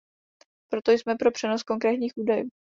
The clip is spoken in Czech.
Proto jsme pro přenos konkrétních údajů.